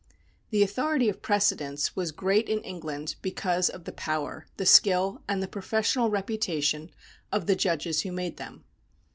The authority of precedents was great in England because of the power, the skill, and the professional reputation of the judges who made them.